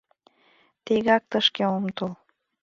Тегак тышке ом тол.